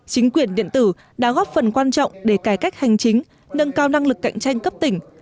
chính quyền điện tử đã góp phần quan trọng để cải cách hành chính nâng cao năng lực cạnh tranh cấp tỉnh